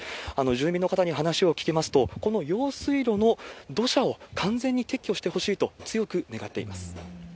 住民の方に話を聞きますと、この用水路の土砂を完全に撤去してほしいと、強く願っています。